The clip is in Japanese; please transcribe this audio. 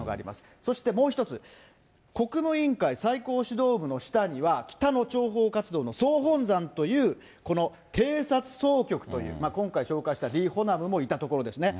そしてもう１つ、国務委員会最高指導部の下には、北の諜報活動の総本山というこの偵察総局という、今回、紹介したリ・ホナムもいたところですね。